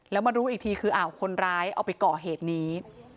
แล้วมารู้อีกทีคืออ้าวคนร้ายเอาไปก่อเหตุนี้